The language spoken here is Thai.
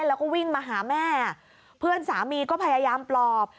แล้วก็วิ่งมาหาแม่เพื่อนสามีก็พยายามปลอบ